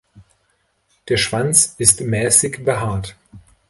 Der Schwanz ist mäßig behaart.